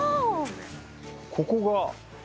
ここが。